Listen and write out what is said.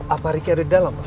apa ricky ada dalam